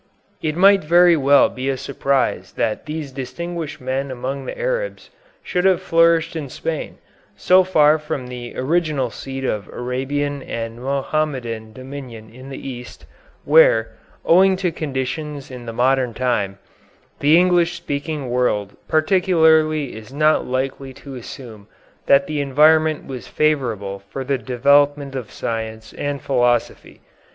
It might very well be a surprise that these distinguished men among the Arabs should have flourished in Spain, so far from the original seat of Arabian and Mohammedan dominion in the East, where, owing to conditions in the modern time, the English speaking world particularly is not likely to assume that the environment was favorable for the development of science and philosophy.